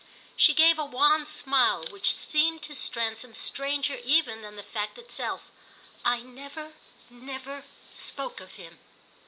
She gave a wan smile which seemed to Stransom stranger even than the fact itself. "I never, never spoke of him."